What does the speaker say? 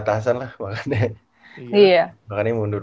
tapi semua orang kayak gini sekarang nith